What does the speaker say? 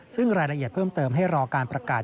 ซึ่งรายละเอียดเพิ่มเติมให้รอการประกาศ